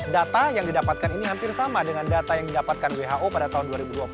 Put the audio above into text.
data yang didapatkan ini hampir sama dengan data yang didapatkan who pada tahun dua ribu dua puluh